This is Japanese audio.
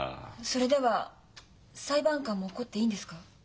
それでは裁判官も怒っていいんですか？